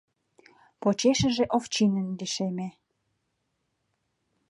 Почешыже Овчинин лишеме.